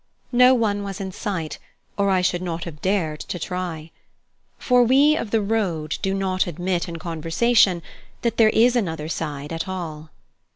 No one was in sight, or I should not have dared to try. For we of the road do not admit in conversation that there is another side at all.